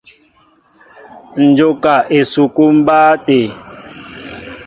Ǹ jóka esukúlu mbáá tê.